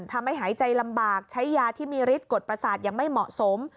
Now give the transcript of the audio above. ทำให้หายใจลำบากใช้ยาที่มีฤทธิกฎประสาทยังไม่เหมาะสม